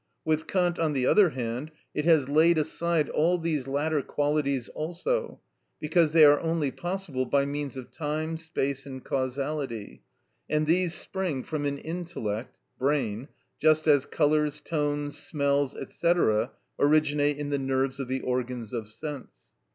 With Kant, on the other hand, it has laid aside all these latter qualities also, because they are only possible by means of time, space, and causality, and these spring from an intellect (brain), just as colours, tones, smells, &c., originate in the nerves of the organs of sense.